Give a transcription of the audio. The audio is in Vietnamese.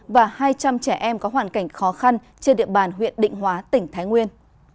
và hai trăm linh trẻ em có hoàn cảnh khó khăn trên địa bàn huyện định hóa tỉnh thái nguyên